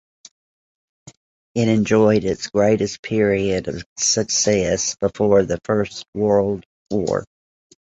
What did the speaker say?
It enjoyed its greatest period of success before the First World War.